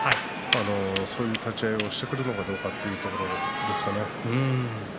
そういう立ち合いをしてくるのかどうかというところですかね。